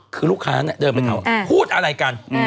คือลูกค้านั้นเดินไปถามพูดอะไรกัน